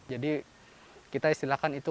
jadi kita istilahkan itu